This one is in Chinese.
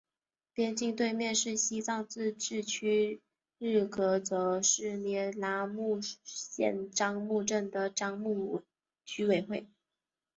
边境对面是西藏自治区日喀则市聂拉木县樟木镇的樟木居委会。